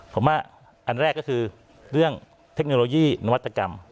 ผมว่าอันแรกก็คือเรื่องเทคโนโลยีนวัตกรรม